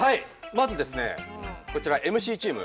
まずですねこちらＭＣチーム。